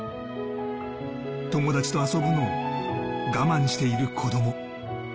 友達と遊ぶのを我慢している子供。